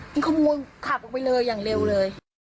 มันขโมยขับออกไปเลยอย่างเร็วเลย